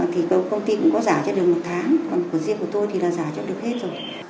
thì công ty cũng có giả trên đường một tháng còn của riêng của tôi thì là giả cho được hết rồi